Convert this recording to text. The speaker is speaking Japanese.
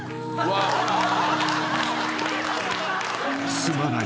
［すまない。